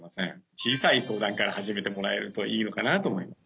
小さい相談から始めてもらえるといいのかなと思います。